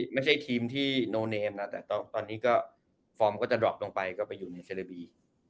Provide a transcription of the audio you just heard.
ไม่ใช่ทีมที่โนเนมนะแต่ตอนนี้ก็ฟอร์มก็จะดรอปลงไปก็ไปอยู่ในเซเลบี